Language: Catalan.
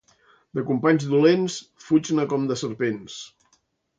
De companys dolents fuig-ne com de serpents.